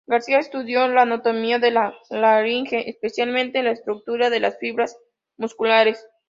García estudió la anatomía de la laringe, especialmente la estructura de las fibras musculares.